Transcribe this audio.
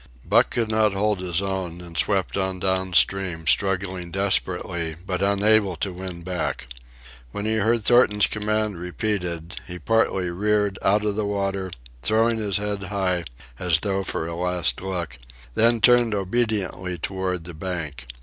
Buck could not hold his own, and swept on down stream, struggling desperately, but unable to win back. When he heard Thornton's command repeated, he partly reared out of the water, throwing his head high, as though for a last look, then turned obediently toward the bank.